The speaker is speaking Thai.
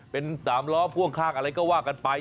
เป็น๓ล้อพ่วงข้างอะไรก็ว่ากันไป